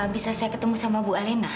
bisa saya ketemu sama bu elena